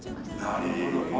なるほど。